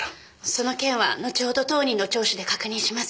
その件は後ほど当人の聴取で確認します。